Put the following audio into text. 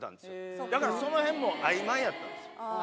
だからその辺もあいまいやったんですよ。